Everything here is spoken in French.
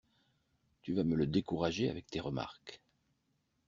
Tu vas me le décourager avec tes remarques.